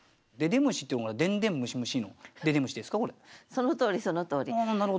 そのとおりそのとおり。